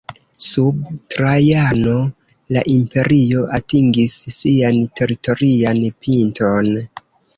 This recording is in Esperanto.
Sub Trajano, la imperio atingis sian teritorian pinton.